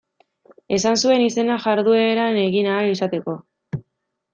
Esan zuen izenak jardueran egin ahal izateko.